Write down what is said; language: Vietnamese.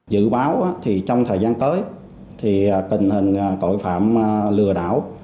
dự báo thì trong thời gian tới tình hình tội phạm lừa đảo